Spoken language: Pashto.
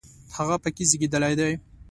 هغه په کې زیږېدلی دی.